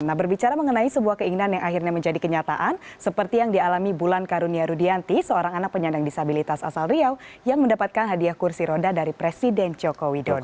nah berbicara mengenai sebuah keinginan yang akhirnya menjadi kenyataan seperti yang dialami bulan karunia rudianti seorang anak penyandang disabilitas asal riau yang mendapatkan hadiah kursi roda dari presiden joko widodo